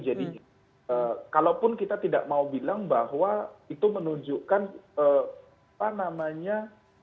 jadi kalaupun kita tidak mau bilang bahwa itu menunjukkan apa namanya